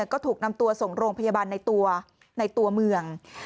ก็ถูกนำตัวส่งโรงพยาบาลในตัวในตัวเมือง